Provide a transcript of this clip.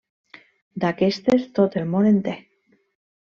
D'aquestes tot el món en té.